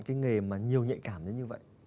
cái nghề mà nhiều nhạy cảm như vậy